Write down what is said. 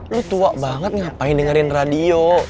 lu tua banget ngapain dengerin radio